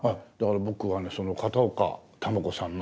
僕はねその片岡球子さんの。